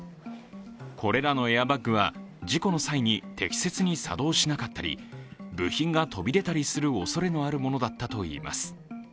これらのエアバッグは事故の際に適切に作動しなかったり部品が飛び出たりするおそれのあるものだったといいます。